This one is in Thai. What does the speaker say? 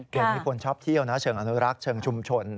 เดี๋ยวนี้คนชอบเที่ยวนะเชิงอนุรักษ์เชิงชุมชน